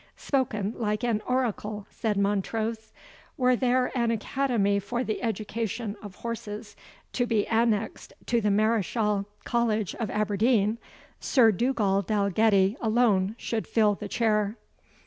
"Spoken like an oracle," said Montrose. "Were there an academy for the education of horses to be annexed to the Mareschal College of Aberdeen, Sir Dugald Dalgetty alone should fill the chair."